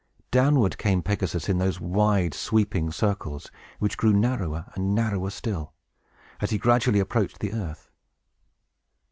Downward came Pegasus, in those wide, sweeping circles, which grew narrower, and narrower still, as he gradually approached the earth.